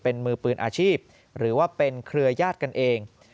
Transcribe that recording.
เป็นมือปืนอาชีพหรือว่าเป็นเครือญาติกันเอง